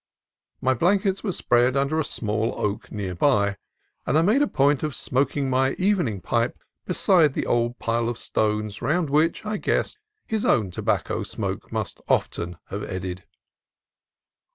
My blankets were spread under a small oak near by, and I made a point of smoking my even ing pipe beside the old pile of stones round which, I guessed, his own tobacco smoke must often have eddied.